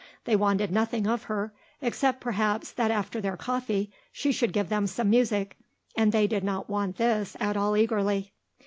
They wanted nothing of her, except, perhaps, that after their coffee she should give them some music, and they did not want this at all eagerly.